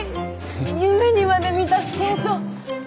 夢にまでみたスケート！